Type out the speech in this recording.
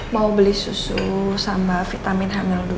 mau beli susu sama vitamin hamil dulu